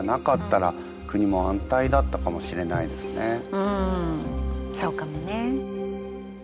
もしうんそうかもね。